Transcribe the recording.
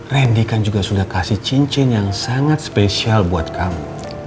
randy kan juga sudah kasih cincin yang sangat spesial buat kamu